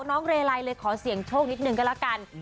น้องเรลัยเลยขอเสี่ยงโชคนิดนึงก็แล้วกัน